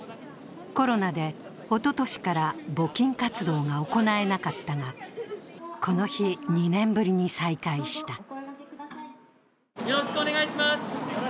コロナでおととしから募金活動が行えなかったがこの日、２年ぶりに再開した。